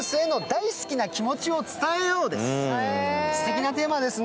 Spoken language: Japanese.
すてきなテーマですね。